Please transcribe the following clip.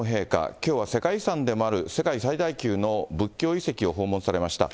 きょうは世界遺産でもある世界最大級の仏教遺跡を訪問されました。